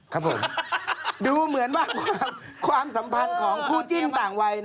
ครับผมดูเหมือนว่าความสัมพันธ์ของคู่จิ้นต่างวัย